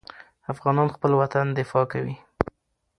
افغانان خپل وطن دفاع کوي.